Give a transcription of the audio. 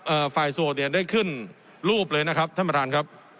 ฝ่ายโสดเนี่ยได้ขึ้นรูปเลยนะครับท่านประธานครับ